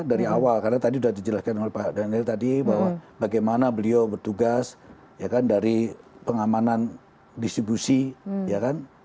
dari awal karena tadi sudah dijelaskan oleh pak daniel tadi bahwa bagaimana beliau bertugas ya kan dari pengamanan distribusi ya kan